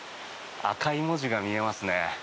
赤い文字が見えますね。